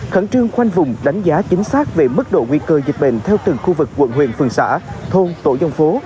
khẩn trương khoanh vùng đánh giá chính xác về mức độ nguy cơ dịch bệnh theo từng khu vực quận huyện phường xã thôn tổ dân phố